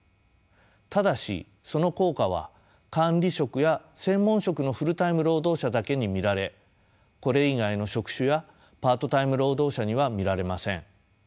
ただしその効果は管理職や専門職のフルタイム労働者だけに見られこれ以外の職種やパートタイム労働者には見られません。